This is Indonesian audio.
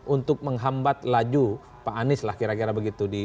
untuk menghambat laju pak anies lah kira kira begitu di dua ribu dua puluh empat